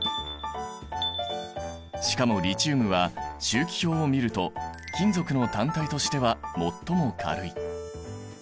しかもリチウムは周期表を見ると金属の単体としては最も軽い。